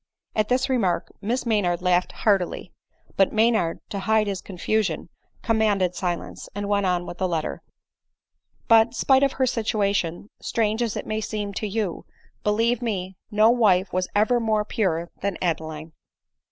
At this remark Miss Maynard laughed heartily; but Maynard, to hide his confusion, commanded silence, and went on with the letter :" But, spite of her situation, strange as it may seem to you, believe me, no wife was ever more pure than Adeline."